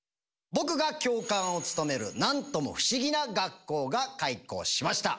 僕が教官を務めるなんとも不思議な学校が開校しました。